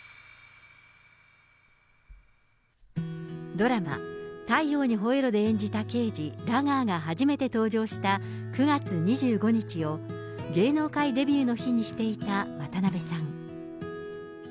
ドラマ、太陽にほえろ！で演じた刑事、ラガーが初めて登場した９月２５日を、芸能界デビューの日にしていた渡辺さん。